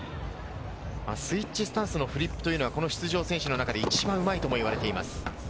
スイッチスタンスのフリップというのは出場選手の中で一番うまいともいわれています。